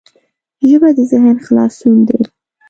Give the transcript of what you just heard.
ژبه د ذهن خلاصون دی